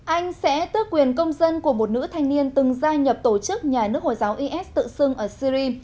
anh sẽ tước quyền công dân của một nữ thanh niên từng gia nhập tổ chức nhà nước hồi giáo is tự xưng ở syri